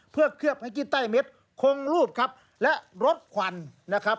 เพื่อเคลือบให้กี้ไต้เม็ดคงรูดครับและลดควันนะครับ